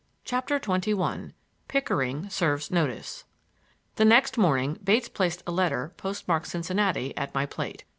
CHAPTER XXI PICKERING SERVES NOTICE The next morning Bates placed a letter postmarked Cincinnati at my plate.